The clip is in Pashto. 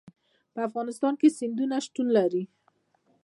په افغانستان کې سیندونه شتون لري.